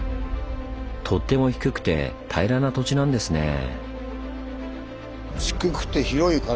とっても低くて平らな土地なんですねぇ。